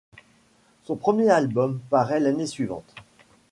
Son premier album paraît l'année suivante.